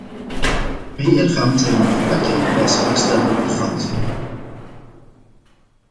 Twee ervan zijn in dit pakket prijsvoorstellen vervat.